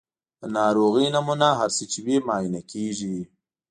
د ناروغۍ نمونې هر څه چې وي معاینه کیږي.